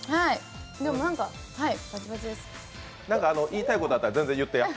言いたいことあったら全然言ってや。